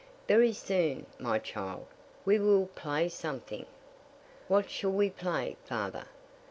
"Very soon, my child, we will play something." "What shall we play, father?"